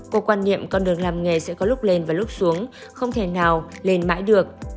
cô quan niệm con đường làm nghề sẽ có lúc lên và lúc xuống không thể nào lên mãi được